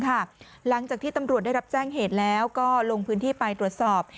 หลังจากที่ตำรวจได้รับแจ้งเหตุแล้วก็ลงพื้นที่ไปตรวจสอบ